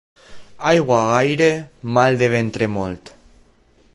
Aigua gaire, mal de ventre molt.